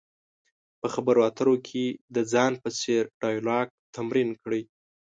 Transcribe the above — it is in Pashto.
په خبرو اترو کې د ځان په څېر ډیالوګ تمرین کړئ.